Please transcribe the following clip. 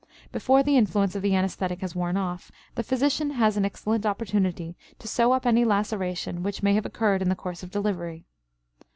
Before the influence of the anesthetic has worn off, the physician has an excellent opportunity to sew up any laceration which may have occurred in the course of delivery.